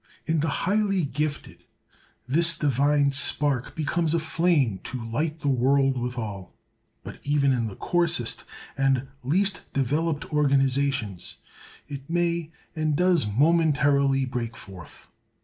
In the highly gifted this divine spark becomes a flame to light the world withal; but even in the coarsest and least developed organizations, it may and does momentarily break forth.